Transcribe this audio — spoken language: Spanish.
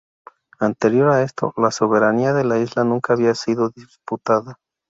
Anterior a esto, la soberanía de la Isla nunca había sido disputada.